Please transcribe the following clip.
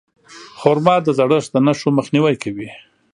خرما د زړښت د نښو مخنیوی کوي.